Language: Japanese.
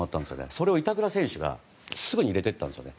それを板倉選手がすぐに入れていったんですね。